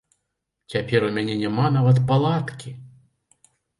Цяпер у мяне няма нават палаткі.